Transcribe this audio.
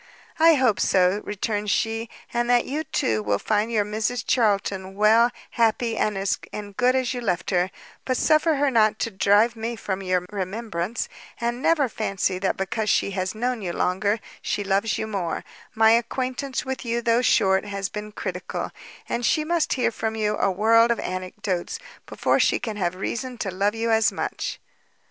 "I hope so," returned she; "and that you too, will find your Mrs Charlton well, happy, and good as you left her; but suffer her not to drive me from your remembrance, and never fancy that because she has known you longer, she loves you more; my acquaintance with you, though short, has been critical, and she must hear from you a world of anecdotes, before she can have reason to love you as much."